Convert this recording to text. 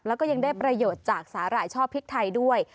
แล้วก็ยังได้ประโยชน์จากสาหร่ายช่อพริกไทยด้วย